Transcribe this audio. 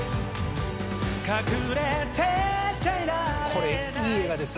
これいい映画です